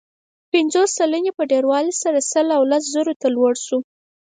پنځوس سلنې په ډېروالي سره سل او لس زرو ته لوړ شو.